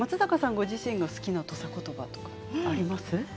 ご自身の好きな土佐言葉とかあります？